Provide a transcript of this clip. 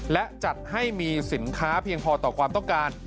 และจัดให้มีสินค้าเพียงพอต่อความต้องการ